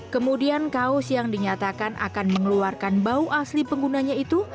kemudian kaos yang dinyatakan akan mengeluarkan bau asli penggunanya itu